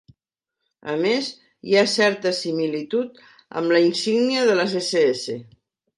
A més, hi ha certa similitud amb la insígnia de les SS.